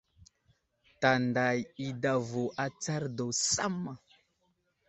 Tanday i adavo atsar daw samma.